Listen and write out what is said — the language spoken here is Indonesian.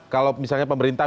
kalau misalnya pemerintah